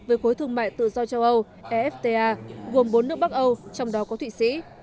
với khối thương mại tự do châu âu efta gồm bốn nước bắc âu trong đó có thụy sĩ